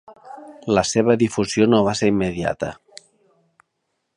La seva difusió no va ser immediata.